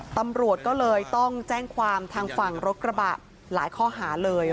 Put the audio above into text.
ตำรวจก็เลยต้องแจ้งความทางฝั่งรถกระบะหลายข้อหาเลย